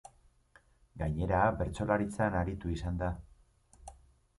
Gainera, bertsolaritzan aritu izan da.